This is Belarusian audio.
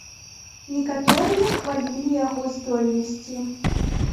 Некаторыя хвалілі яго здольнасці.